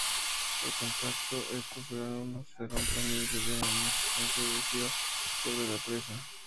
Al contacto, estos gránulos se rompen y liberan una sustancia adhesiva sobre la presa.